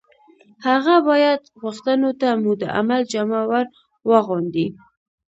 هغه باید غوښتنو ته مو د عمل جامه ور واغوندي